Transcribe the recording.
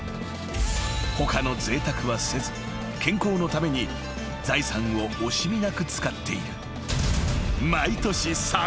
［他のぜいたくはせず健康のために財産を惜しみなく使っている］